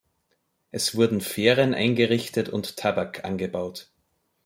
Es wurden Fähren eingerichtet und Tabak angebaut.